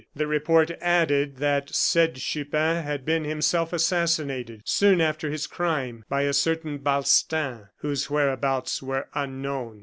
The report added that: "Said Chupin had been himself assassinated, soon after his crime, by a certain Balstain, whose whereabouts were unknown."